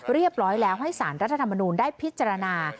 เรียบร้อยแล้วให้สารรัฐธรรมนูลได้พิจารณา